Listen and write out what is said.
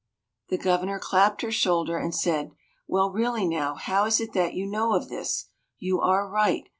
The Governor clapped her shoulder, and said, "Well, really now, how is it that you know of this? You are right.